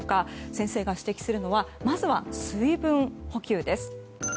先生が指摘するのはまずは水分補給です。